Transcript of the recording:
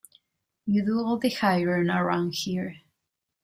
You do all the hiring around here.